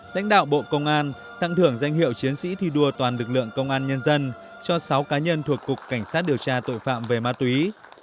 lãnh đạo bộ công an tặng thưởng danh hiệu chiến sĩ thi đua toàn lực lượng công an nhân dân cho sáu cá nhân thuộc cục cảnh sát điều tra tội phạm về ma túy